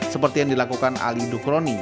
seperti yang dilakukan ali nukroni